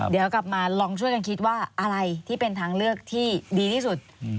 เดี๋ยวกลับมาลองช่วยกันคิดว่าอะไรที่เป็นทางเลือกที่ดีที่สุด